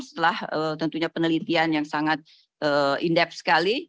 setelah tentunya penelitian yang sangat indep sekali